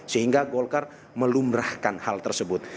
sehingga golkar melumrahkan hal tersebut